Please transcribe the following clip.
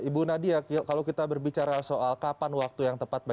ibu nadia kalau kita berbicara soal kapan waktu yang tepat